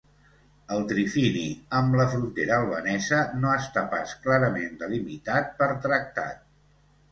El trifini amb la frontera albanesa no està pas clarament delimitat per tractat.